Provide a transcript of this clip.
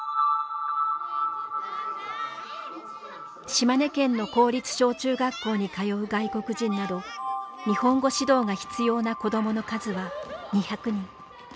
島根県の公立小中学校に通う外国人など日本語指導が必要な子どもの数は２００人。